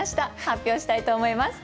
発表したいと思います。